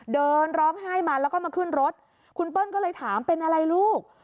เดินร้องไห้มาแล้วก็มาขึ้นรถคุณเปิ้ลก็เลยถามเป็นอะไรลูก